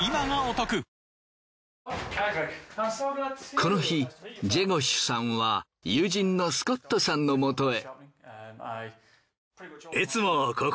この日ジェゴシュさんは友人のスコットさんのもとへ。